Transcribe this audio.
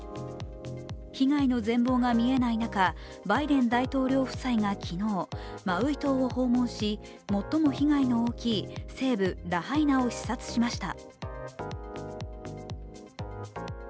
被害の全貌がみえない中、バイデン大統領夫妻が昨日、マウイ島を訪問し、最も被害の大きい西部ラハイナを視察しました。